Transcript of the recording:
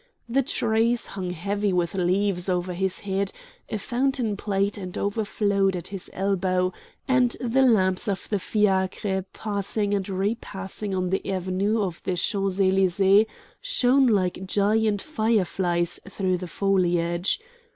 The trees hung heavy with leaves over his head, a fountain played and overflowed at his elbow, and the lamps of the fiacres passing and repassing on the Avenue of the Champs Elysees shone like giant fire flies through the foliage.